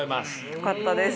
よかったです。